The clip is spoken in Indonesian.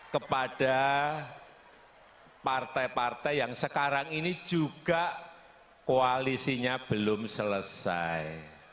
kepada partai partai yang sekarang ini juga koalisinya belum selesai